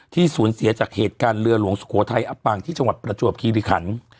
สูญเสียจากเหตุการณ์เรือหลวงสุโขทัยอับปางที่จังหวัดประจวบคีริขัน